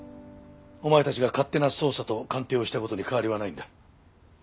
お前たちが勝手な捜査と鑑定をした事に変わりはないんだ。